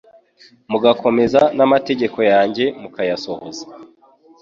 mugakomeza n’amategeko yanjye mukayasohoza